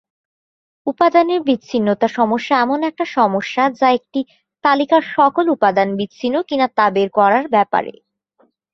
উপাদানের বিচ্ছিন্নতা সমস্যা এমন একটা সমস্যা যা একটি তালিকার সকল উপাদান বিচ্ছিন্ন কিনা তা বের করার ব্যাপারে।